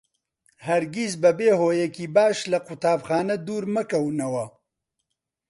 هەرگیز بەبێ هۆیەکی باش لە قوتابخانە دوور مەکەونەوە.